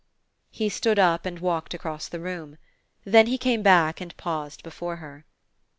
He stood up and walked across the room. Then he came back and paused before her.